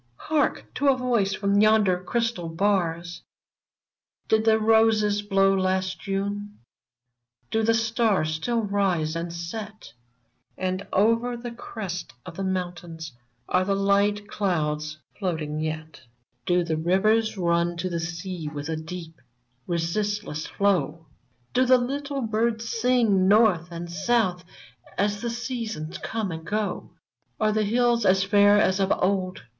Hark ! to a voice from yonder crystal bars :" Did the roses blow last 'Ju7ie ? Do the stars still rise and set ? And over the crests of the mountains Are the light clouds floating yet? Do the rivers nm to the sea With a deep, resistless flow ? Do the little birds sing north and south As the seasons come and go f " Are the hills as fair as of old?